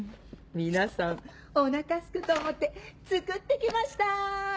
皆さんお腹すくと思って作ってきました！